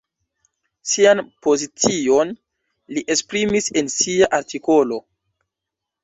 Sian pozicion li esprimis en sia artikolo.